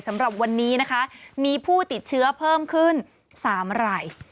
สำหรับวันนี้นะคะมีผู้ติดเชื้อเพิ่มขึ้น๓ราย